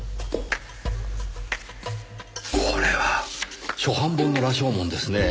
これは初版本の『羅生門』ですねぇ。